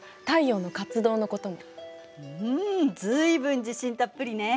うん随分自信たっぷりね。